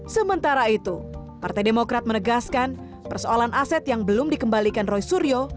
sementara itu partai demokrat menegaskan persoalan aset yang belum dikembalikan roy suryo